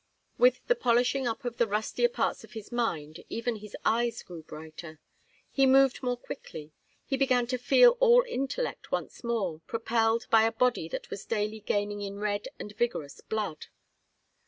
With the polishing up of the rustier parts of his mind even his eyes grew brighter, he moved more quickly, he began to feel all intellect once more, propelled by a body that was daily gaining in red and vigorous blood.